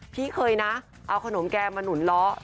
พี่เคยนะเอาขนมแวดุ้มาหนูนเล้า